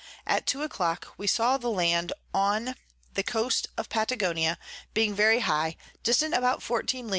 At two a clock we saw the Land on the Coast of Patagonia, being very high, distant about 14 Ls.